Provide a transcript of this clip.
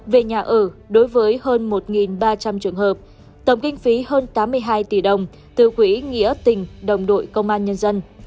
về nhà ở đối với hơn một ba trăm linh trường hợp tổng kinh phí hơn tám mươi hai tỷ đồng từ quỹ nghĩa tình đồng đội công an nhân dân